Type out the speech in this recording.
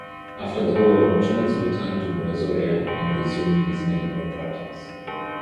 After the war, Jones returned to Brazoria and resumed his medical practice.